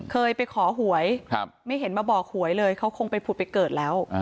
เคยไปขอหวยไม่เห็นมาบอกหวยเลยเขาคงไปผุดไปเกิดแล้ว